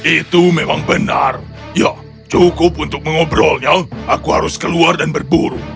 itu memang benar ya cukup untuk mengobrolnya aku harus keluar dan berburu